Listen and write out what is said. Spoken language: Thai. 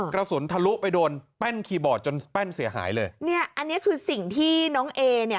กระสุนทะลุไปโดนแป้นคีย์บอร์ดจนแป้นเสียหายเลยเนี่ยอันนี้คือสิ่งที่น้องเอเนี่ย